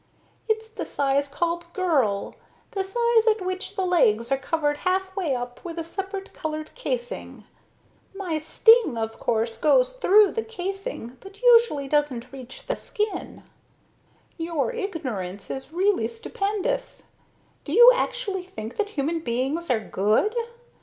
"It's the size called girl the size at which the legs are covered half way up with a separate colored casing. My sting, of course, goes through the casing but usually doesn't reach the skin. Your ignorance is really stupendous. Do you actually think that human beings are good?